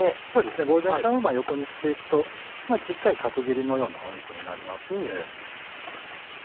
棒状にしたまま横にしていくと小っちゃい角切りのような肉になりますんで。